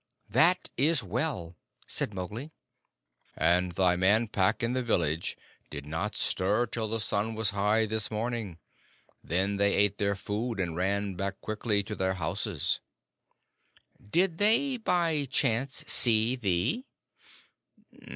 "That is well," said Mowgli. "And thy Man Pack in the village did not stir till the sun was high this morning. Then they ate their food and ran back quickly to their houses." "Did they, by chance, see thee?"